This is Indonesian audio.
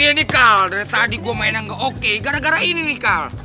ini dia nih kal dari tadi gue main yang gak oke gara gara ini nih kal